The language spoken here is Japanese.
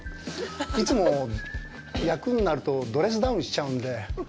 いつも役になるとドレスダウンしちゃうんで。